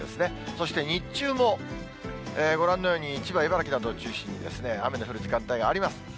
そして日中もご覧のように、千葉、茨城などを中心に、雨の降る時間帯があります。